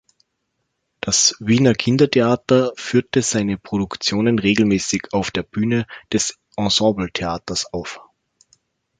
Das Wiener Kindertheater führte seine Produktionen regelmäßig auf der Bühne des Ensemble Theaters auf.